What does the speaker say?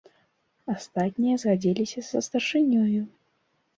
Астатнія згадзіліся са старшынёю.